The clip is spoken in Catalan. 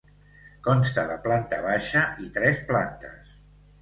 Consta de planta baixa i tres plantes.